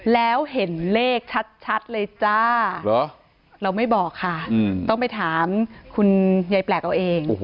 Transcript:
แล้วเห็นเลขชัดเลยจ้าเราไม่บอกค่ะต้องไปถามคุณยายแปลกเอาเอง